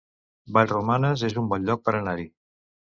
Vallromanes es un bon lloc per anar-hi